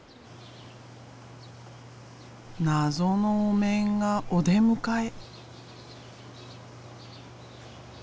謎のお面がお出迎え。